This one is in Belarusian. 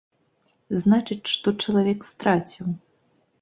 Значыць, што чалавек страціў?